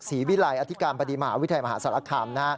ศรีวิลัยอธิกรรมปฏิมหาวิทยาลัยมหาศาสตรกรรม